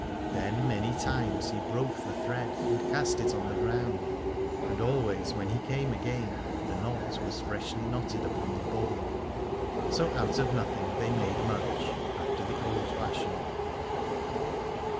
Then many times he broke the thread and cast it on the ground, and always when he came again the knot was freshly knotted upon the bowl. So out of nothing they made much, after the old fashion.